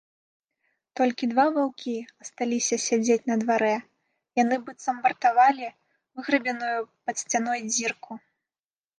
Толькі два ваўкі асталіся сядзець на дварэ, яны быццам вартавалі выграбеную пад сцяной дзірку.